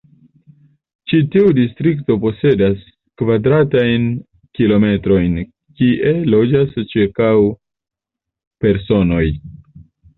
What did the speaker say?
Ĉi tiu distrikto posedas kvadratajn kilometrojn, kie loĝas ĉirkaŭ personoj.